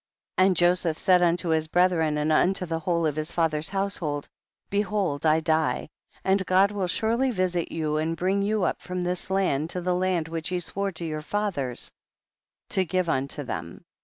22. And Joseph said unto his bre thren and unto the whole of his fa ther's household, behold I die, and God will surely visit you and bring you up from this land to the land which he swore to your fathers to give unto them.